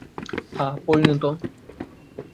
হ্যাঁ, পরিণত।